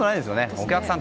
お客さん